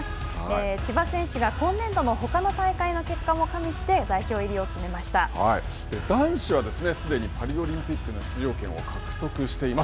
千葉選手が今年度のほかの大会の結果も加味男子は、すでにパリオリンピックの出場権を獲得しています。